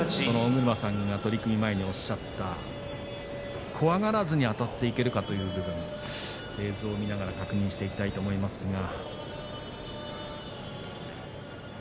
その尾車さんが取組前におっしゃった怖がらずにあたっていけるかという部分、映像を見ながら確認していきたいと思います。